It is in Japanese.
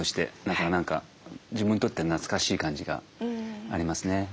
だから何か自分にとっては懐かしい感じがありますね。